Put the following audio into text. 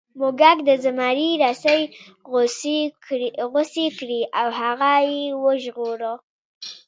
موږک د زمري رسۍ غوڅې کړې او هغه یې وژغوره.